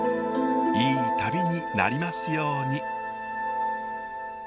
いい旅になりますように。